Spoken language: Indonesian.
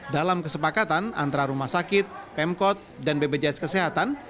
dalam kesepakatan antara rumah sakit pemkot dan bpjs kesehatan